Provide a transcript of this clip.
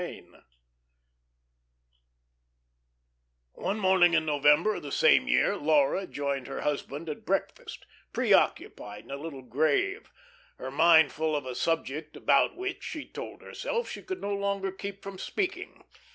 VII One morning in November of the same year Laura joined her husband at breakfast, preoccupied and a little grave, her mind full of a subject about which, she told herself, she could no longer keep from speaking.